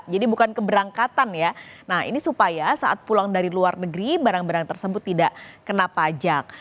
jadi bukan keberangkatan ya nah ini supaya saat pulang dari luar negeri barang barang tersebut tidak kena pajak